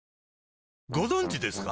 ご存知ですか？